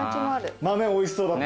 豆おいしそうだった。